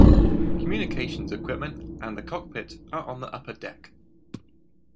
Communications equipment and the cockpit are on the upper deck.